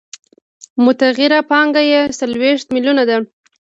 متغیره پانګه یې څلوېښت میلیونه ده